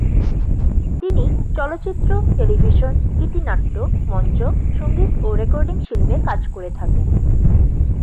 তিনি চলচ্চিত্র, টেলিভিশন, গীতিনাট্য, মঞ্চ, সঙ্গীত ও রেকর্ডিং শিল্পে কাজ করে থাকেন।